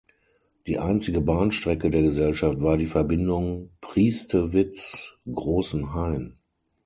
Die einzige Bahnstrecke der Gesellschaft war die Verbindung Priestewitz–Großenhain.